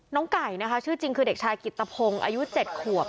ไก่นะคะชื่อจริงคือเด็กชายกิตตะพงศ์อายุ๗ขวบ